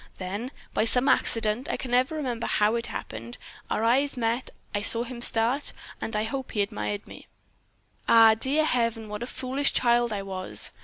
Then, by some accident, I can never remember how it happened, our eyes met. I saw him start, and I hoped he admired me. "Ah, dear Heaven! what a foolish child I was!